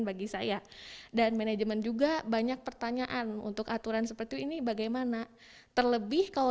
bagi saya dan manajemen juga banyak pertanyaan untuk aturan seperti ini bagaimana terlebih kalau